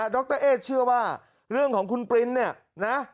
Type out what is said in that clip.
รเอ๊เชื่อว่าเรื่องของคุณปริ้นเนี่ยนะ